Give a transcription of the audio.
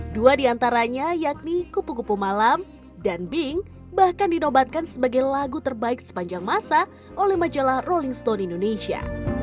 dua diantaranya yakni kupu kupu malam dan bing bahkan dinobatkan sebagai lagu terbaik sepanjang masa oleh majalah rolling stone indonesia